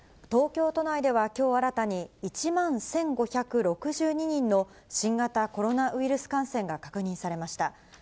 東京都内ではきょう、新たに１万１５６２人の新型コロナウイルス感染が確認されました。